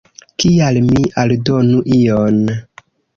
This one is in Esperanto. Kial mi aldonu ion.